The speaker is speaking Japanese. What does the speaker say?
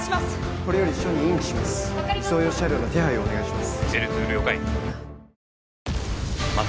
これより署に引致します移送用車両の手配をお願いします